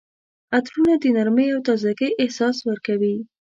عطرونه د نرمۍ او تازګۍ احساس ورکوي.